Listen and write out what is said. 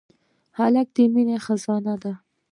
هلک د مینې خزانه ده.